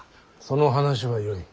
その話はよい。